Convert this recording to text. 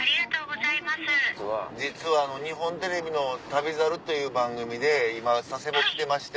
実は日本テレビの『旅猿』という番組で今佐世保来てまして。